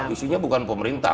isinya bukan pemerintah